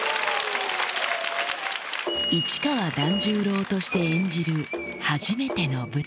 市川團十郎として演じる初めての舞台